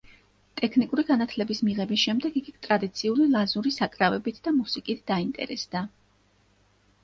ტექნიკური განათლების მიღების შემდეგ იგი ტრადიციული ლაზური საკრავებით და მუსიკით დაინტერესდა.